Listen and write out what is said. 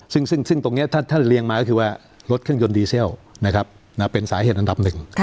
ซึ่งตรงนี้ถ้าท่านเรียงมาก็คือว่ารถเครื่องยนต์ดีเซลเป็นสาเหตุอันดับหนึ่ง